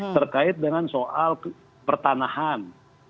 terkait dengan soal pertanahan